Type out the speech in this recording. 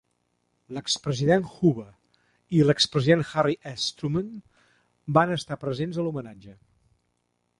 L'expresident Hoover i l'expresident Harry S. Truman van estar presents a l'homenatge.